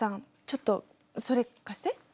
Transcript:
ちょっとそれ貸して。